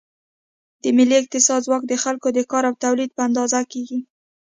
د ملي اقتصاد ځواک د خلکو د کار او تولید په اندازه کېږي.